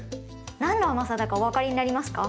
何の甘さだかお分かりになりますか？